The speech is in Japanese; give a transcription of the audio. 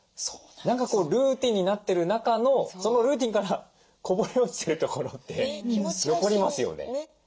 何かルーティンになってる中のそのルーティンからこぼれ落ちてるところって残りますよね。